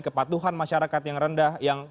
karena kesatuhan masyarakat yang rendah yang